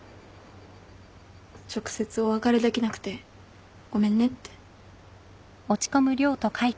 直接お別れできなくてごめんねって。